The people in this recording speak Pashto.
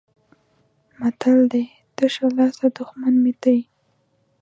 متل دی: تشه لاسه دښمن مې ته یې.